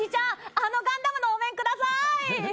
あのガンダムのお面ください！